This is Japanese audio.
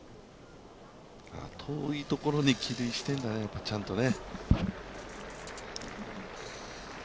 遠いところに帰塁してるんだね、ちゃんとね。